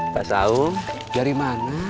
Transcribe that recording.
pak saung dari mana